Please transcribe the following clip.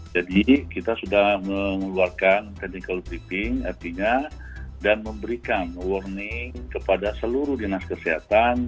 jadi kita sudah mengeluarkan technical briefing artinya dan memberikan warning kepada seluruh dinas kesehatan